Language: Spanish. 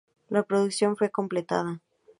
La producción fue completada.